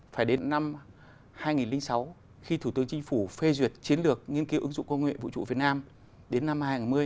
phải đến năm hai nghìn sáu khi thủ tướng chính phủ phê duyệt chiến lược nghiên cứu ứng dụng công nghệ vũ trụ việt nam đến năm hai nghìn ba mươi